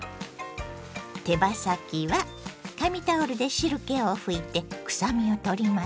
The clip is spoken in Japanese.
手羽先は紙タオルで汁けを拭いて臭みをとりますよ。